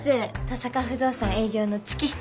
登坂不動産営業の月下です。